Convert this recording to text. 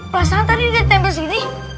pas nanti udah ditempel sini